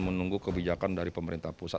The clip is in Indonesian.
menunggu kebijakan dari pemerintah pusat